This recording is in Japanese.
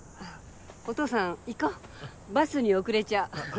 お父さん行こうバスに遅れちゃう。